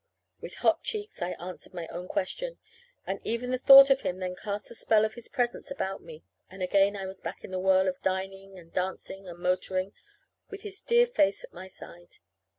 With hot cheeks I answered my own question. And even the thought of him then cast the spell of his presence about me, and again I was back in the whirl of dining and dancing and motoring, with his dear face at my side.